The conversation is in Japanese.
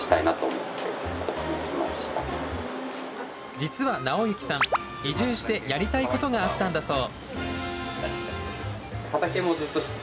実は直行さん移住してやりたいことがあったんだそう。